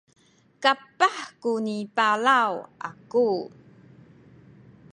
kapah kuni palaw aku